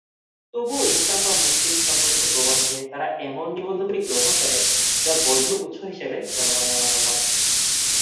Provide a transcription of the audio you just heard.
তবুও ইসলাম বা মুসলিম সম্পর্কিত প্রবন্ধে, তারা এমন নিবন্ধগুলি গ্রহণ করে যা বৈধ উৎস হিসাবে জনগণের মতামত।